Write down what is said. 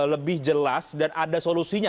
lebih jelas dan ada solusinya